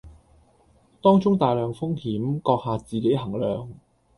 當中大量風險，閣下自己衡量